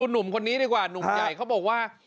หนุ่มคนนี้ดีกว่าหนุ่มใหญ่เขาบอกว่า